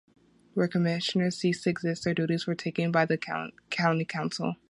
Where commissioners ceased to exist, their duties were taken over by the county council.